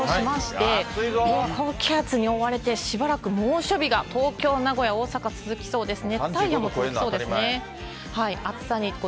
高気圧に覆われて、しばらく猛暑日が東京、名古屋、大阪、続きそうですね。